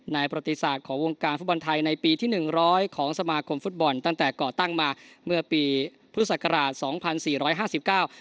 ประติศาสตร์ของวงการฟุตบอลไทยในปีที่หนึ่งร้อยของสมาคมฟุตบอลตั้งแต่ก่อตั้งมาเมื่อปีพุทธศักราชสองพันสี่ร้อยห้าสิบเก้า